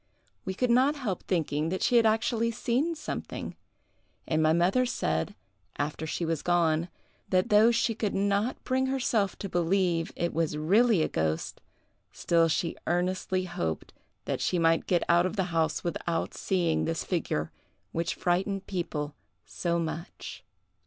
We could not help thinking that she had actually seen something; and my mother said, after she was gone, that though she could not bring herself to believe it was really a ghost, still she earnestly hoped that she might get out of the house without seeing this figure, which frightened people so much.